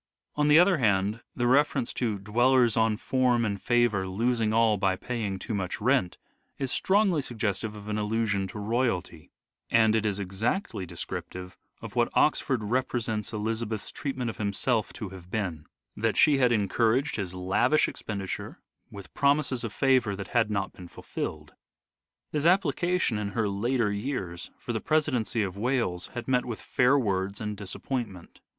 On the other hand, the reference to " dwellers on form and favour losing all by paying too much rent " is strongly suggestive of an allusion to royalty, and is exactly descriptive of what Oxford represents Elizabeth's treatment of himself to have been : that she had encouraged his lavish expen diture with promises of favour that had not been fulfilled. His application, in her later years, for the presidency of Wales had met with fair words and disappointment.